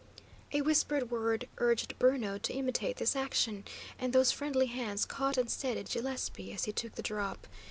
A whispered word urged Bruno to imitate this action, and those friendly hands caught and steadied Gillespie as he took the drop.